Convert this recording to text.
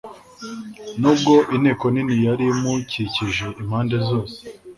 Nubwo inteko nini yari imukikije impande zose